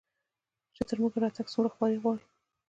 چې تر موږه راتګ څومره خواري غواړي